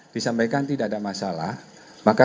disampaikan tidak ada masalah maka